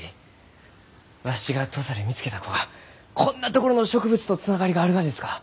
わしが土佐で見つけた子がこんなところの植物とつながりがあるがですか？